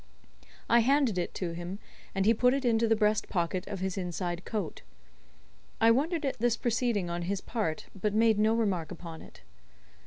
I handed it to him, and he put it into the breast pocket of his inside coat. I wondered at this proceeding on his part, but made no remark upon it.